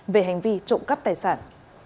về hành vi trộm cắp tài sản